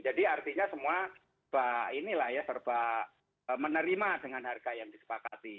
jadi artinya semua serba menerima dengan harga yang disepakati